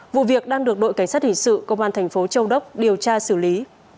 vụ việc đang được đội cảnh sát hình sự công an thành phố châu đốc điều tra xử lý